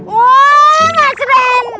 wah mas randi